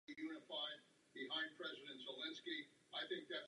Jsou to liány se střídavými jednoduchými listy a drobnými pravidelnými květy.